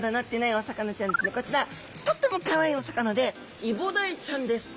こちらとってもかわいいお魚でイボダイちゃんです！